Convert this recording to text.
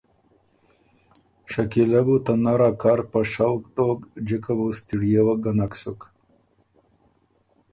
شکیلۀ بو ته نر ا کر په شوق دوک جِکه بُو ستِړيېوک ګۀ نک سُک